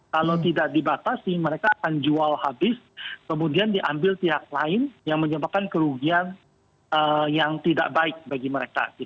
kalau tidak dibatasi mereka akan jual habis kemudian diambil pihak lain yang menyebabkan kerugian yang tidak baik bagi mereka